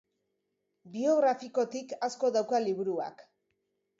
Biografikotik asko dauka liburuak.